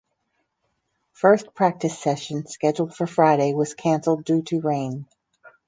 First practice session scheduled for Friday was cancelled due to rain.